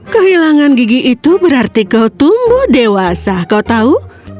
kehilangan gigi itu berarti kau tumbuh dewasa kau tahu